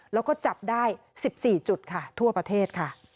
แล้วก็จับได้๑๔จุดค่ะทั่วประเทศค่ะ